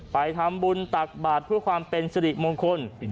ไปทำบุญตักบาทเพื่อความเป็นสิริมงคล